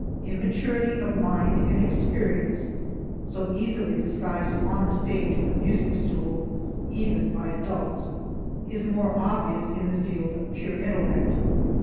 Immaturity of mind and experience, so easily disguised on the stage or the music stool even by adults is more obvious in the field of pure intellect.